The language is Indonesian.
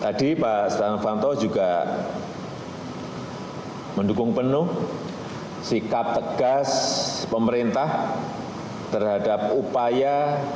tadi bapak setiano fanto mendukung penuh sikap tegas pemerintah terhadap upaya